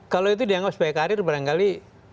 kalau itu dianggap sebagai karir barangkali